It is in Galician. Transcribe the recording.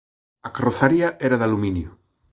A carrozaría era de aluminio.